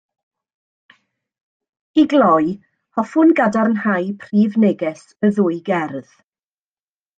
I gloi, hoffwn gadarnhau prif neges y ddwy gerdd